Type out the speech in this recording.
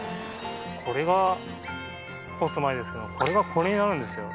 これが干す前ですけどこれがこれになるんですよ。